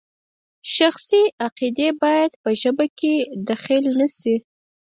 شخصي عقیدې باید په ژبه کې دخیل نشي.